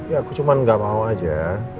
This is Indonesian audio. ya aku cuma nggak mau aja